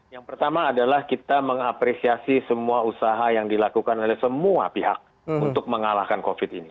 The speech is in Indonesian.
yang pertama adalah kita mengapresiasi semua usaha yang dilakukan oleh semua pihak untuk mengalahkan covid ini